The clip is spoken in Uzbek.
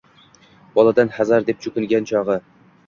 Balodan hazar, deb chekingan chog’i –